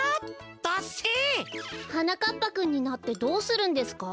ダッセえ！はなかっぱくんになってどうするんですか？